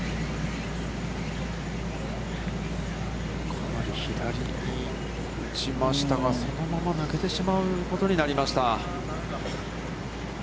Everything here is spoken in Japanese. かなり左に来ましたが、そのまま抜けてしまうことになりました。